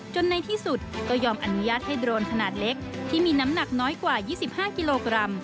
ในที่สุดก็ยอมอนุญาตให้โดรนขนาดเล็กที่มีน้ำหนักน้อยกว่า๒๕กิโลกรัม